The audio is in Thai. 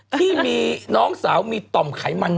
ที่มีน้องสาวมีต่อมไขมัน